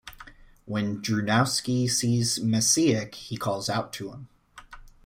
When Drewnowski sees Maciek, he calls out to him.